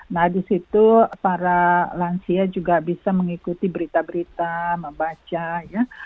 nah di situ para lansia juga bisa mengikuti berita berita membaca ya